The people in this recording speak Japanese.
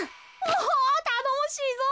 おたのもしいぞ。